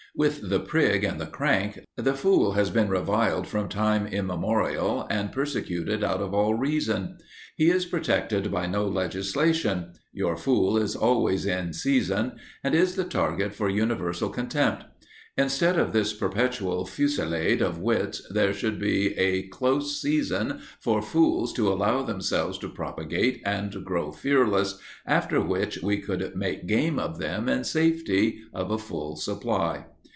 With the prig and the crank, the fool has been reviled from time immemorial, and persecuted out of all reason. He is protected by no legislation; your fool is always in season, and is the target for universal contempt. Instead of this perpetual fusillade of wits, there should be a "close season" for fools to allow them to propagate and grow fearless, after which we could make game of them in safety of a full supply.